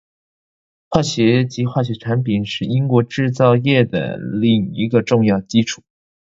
化学及化学产品是英国制造业的另一个重要基础。